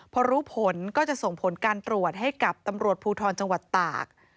พอรู้ผลก็จะส่งผลการตรวจให้กับตำรวจภูทรจังหวัดตาก